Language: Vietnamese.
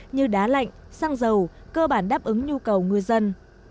như đá lạnh xăng dầu cơ bản đáp ứng nhu cầu ngư dân